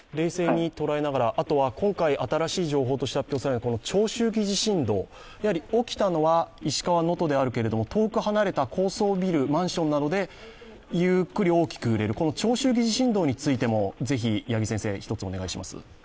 今回新しい情報として発表されたのは長周期地震動、起きたのは石川・能登であるけれども遠く離れた高層ビル、マンションなどでゆーっくり大きく揺れるこの長周期地震動についても是非一つ、お願いします。